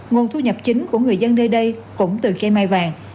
nguồn thu nhập chính của người dân nơi đây cũng từ cây mai vàng